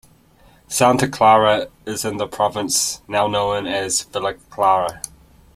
Santa Clara is in the province now known as Villa Clara.